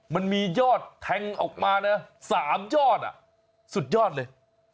มันมียอดแทงออกมานะ๓ยอดสุดยอดเลย